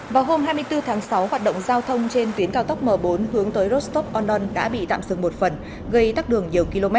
vào hôm hai mươi bốn tháng sáu hoạt động giao thông trên tuyến cao tốc m bốn hướng tới rostop onon đã bị tạm dừng một phần gây tắt đường nhiều km